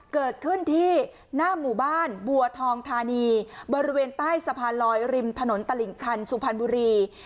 เกิดขึ้นที่หน้าหมู่บ้านบัวทองธานีบริเวณใต้สะพานลอยริมถนนตลิ่งชันสุพรรณบุรี